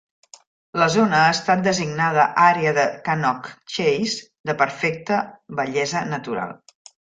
La zona ha estat designada Àrea de Cannock Chase de Perfecte Bellesa Natural.